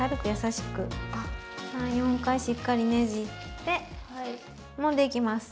３４回しっかりねじってもんでいきます。